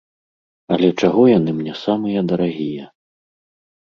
Але чаго яны мне самыя дарагія?